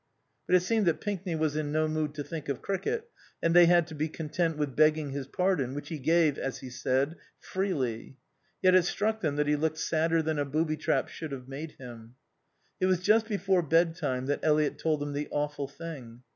But it seemed that Pinkney was in no mood to think of cricket, and they had to be content with begging his pardon, which he gave, as he said, "freely." Yet it struck them that he looked sadder than a booby trap should have made him. It was just before bed time that Eliot told them the awful thing.